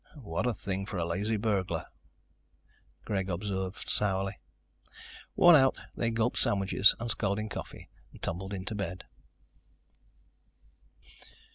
"What a thing for a lazy burglar," Greg observed sourly. Worn out, they gulped sandwiches and scalding coffee, tumbled into bed.